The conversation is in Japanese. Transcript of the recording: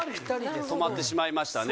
止まってしまいましたね